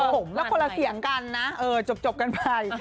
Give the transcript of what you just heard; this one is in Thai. ผมแล้วคนละเสียงกันนะจบกันไป